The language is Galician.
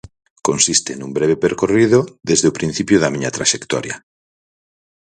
Consiste nun breve percorrido desde o principio da miña traxectoria.